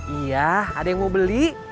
iya ada yang mau beli